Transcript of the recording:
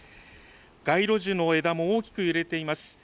街路樹の枝も大きく揺れています。